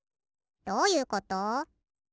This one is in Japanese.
どういうこと？